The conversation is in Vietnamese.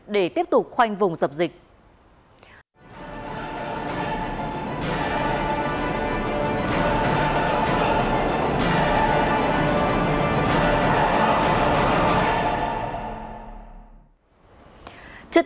để tiếp tục khoanh vùng dập dịch